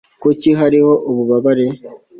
kuki hariho ububabare